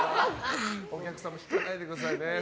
お客さんも引かないでくださいね。